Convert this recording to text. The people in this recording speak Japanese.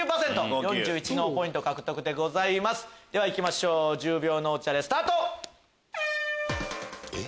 ではいきましょう１０秒脳チャレスタート！